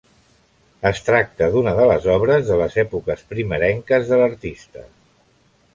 Es tracta d'una de les obres de les èpoques primerenques de l'artista.